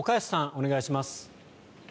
お願いします。